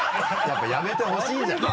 やっぱやめてほしいんじゃん！